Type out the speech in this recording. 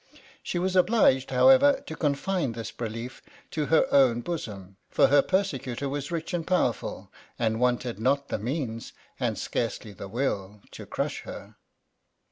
She was obliged, however, to confine this belief to her own bosom, for her persecutor was rich and powerful, and wanted not the means, and scarcely the will, to crush her.